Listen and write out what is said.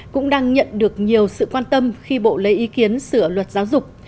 cũng đang nhận được nhiều sự quan tâm khi bộ lấy ý kiến sửa luật giáo dục